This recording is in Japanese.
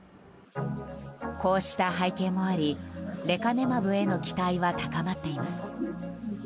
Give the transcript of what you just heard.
こうした背景もありレカネマブへの期待は高まっています。